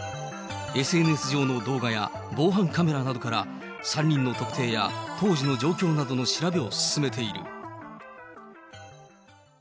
ＳＮＳ上の動画や防犯カメラなどから、３人の特定や当時の状況などの調べを進めている。